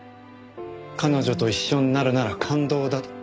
彼女と一緒になるなら勘当だと。